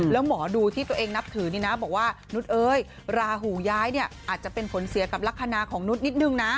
แล้วหมอดูที่ตัวเองนับถือนี่นะบอกว่านุษย์เอ้ยราหูย้ายเนี่ยอาจจะเป็นผลเสียกับลักษณะของนุษย์นิดนึงนะ